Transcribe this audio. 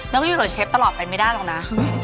แล้วก็อยู่ต่อเชฟตลอดไปไม่ได้หรอกนะ